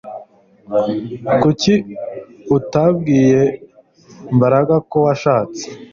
Kuki utabwiye Mbaraga ko washatse